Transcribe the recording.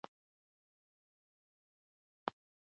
خپل خوب تنظیم کړئ.